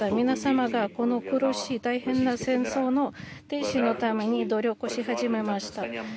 皆様がこの苦しい大変な戦争の停止のために、努力し始めました。